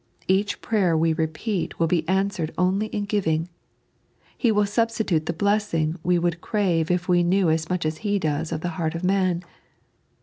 Each prayer we repeat will be answered only in giving. He wiU substitute the bless ing we would crave if we knew as much as He does of the heart of man.